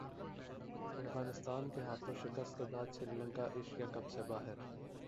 افغانستان کے ہاتھوں شکست کے بعد سری لنکا ایشیا کپ سے باہر